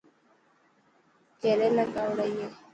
ڪيريلا ڪاوڙائي هي.